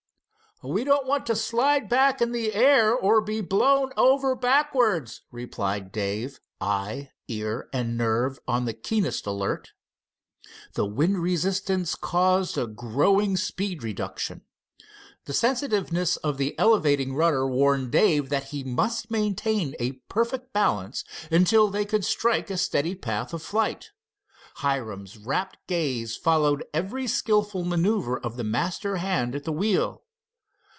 "We don't want to slide back in the air or be blown over backwards," replied Dave, eye, ear, and nerve on the keenest alert. The wind resistance caused a growing speed reduction. The sensitiveness of the elevating rudder warned Dave that he must maintain a perfect balance until they could strike a steady path of flight. Hiram's rapt gaze followed every skillful maneuver of the master hand at that wheel.